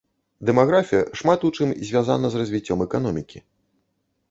Дэмаграфія шмат у чым звязана з развіццём эканомікі.